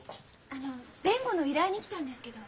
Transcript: あの弁護の依頼に来たんですけど。